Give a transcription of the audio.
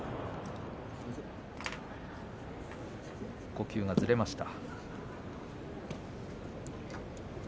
呼吸がずれました。